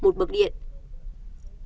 đều được tính là ba sáu kw mùa ngày